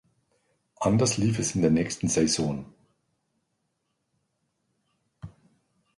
Anders lief es in der nächsten Saison.